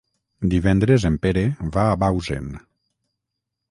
Divendres en Pere va a Bausen.